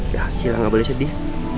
ya arsila gak boleh sedih